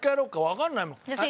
わかんないもん。